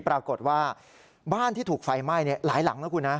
ปรากฏว่าบ้านที่ถูกไฟไหม้หลายหลังนะคุณนะ